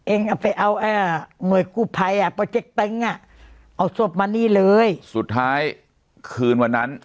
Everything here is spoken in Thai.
เอ็งเอาไปเอาไอ้งวยกูภัยอ่ะเอาศพมานี่เลยสุดท้ายคืนวันนั้น